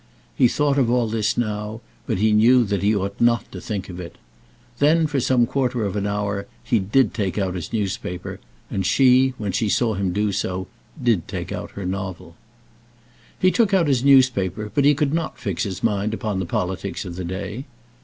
He thought of all this now, but he knew that he ought not to think of it. Then, for some quarter of an hour, he did take out his newspaper, and she, when she saw him do so, did take out her novel. He took out his newspaper, but he could not fix his mind upon the politics of the day.